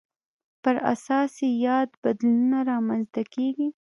پر اساس یې یاد بدلونونه رامنځته کېږي.